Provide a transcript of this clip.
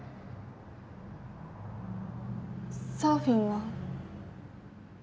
サーフィンは？